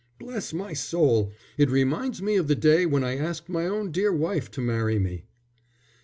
Bless my soul, it reminds me of the day when I asked my own dear wife to marry me."